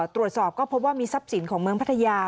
ตรวจสอบก็พบว่ามีทรัพย์สินของเมืองพัทยา